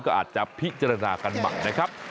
ก็อาจจะพิจารณากันใหม่นะครับ